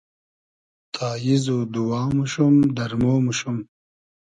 تاییز و دووا موشوم ، دئرمۉ موشوم